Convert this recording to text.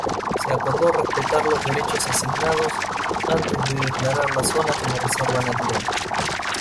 Se acordó respetar los derechos asignados antes de declarar la zona como Reserva Natural.